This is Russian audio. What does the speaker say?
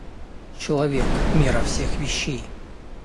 Человек — мера всех вещей.